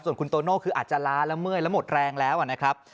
ส่วนคุณโตโน่คืออาจจะล้าและเมื่อยและหมดแรงแล้วนะครับ